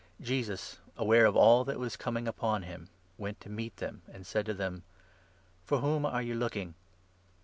Jesus, aware of all that was coming upon him, went to meet 4 them, and said to them :" For whom are you looking?